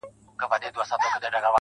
تر مخه ښې وروسته به هم تر ساعتو ولاړ وم.